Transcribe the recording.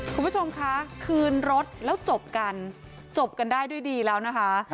คุณผู้ชมคะคืนรถแล้วจบกันจบกันได้ด้วยดีแล้วนะคะ